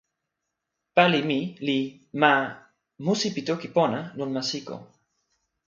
pali mi li ma "musi pi toki pona" lon ma Siko.